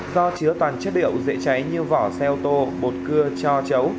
do chứa toàn chất liệu dễ cháy như vỏ xe ô tô bột cưa cho chấu